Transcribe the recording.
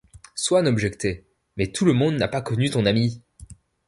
Swann objectait :« Mais tout le monde n’a pas connu ton amie.